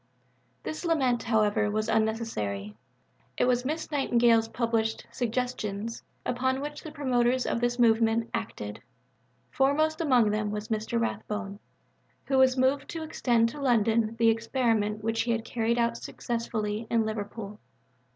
This lament, however, was unnecessary. It was Miss Nightingale's published Suggestions upon which the promoters of the movement acted. Foremost among them was Mr. Rathbone, who was moved to extend to London the experiment which he had carried out successfully in Liverpool.